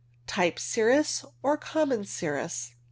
Type cirrus or common cirrus.